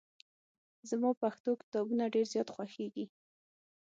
زما پښتو کتابونه ډېر زیات خوښېږي.